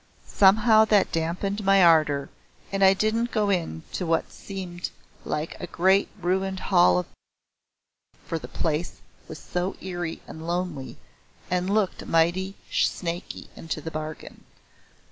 Somehow that dampened my ardour, and I didn't go in to what seemed like a great ruined hall for the place was so eerie and lonely, and looked mighty snaky into the bargain.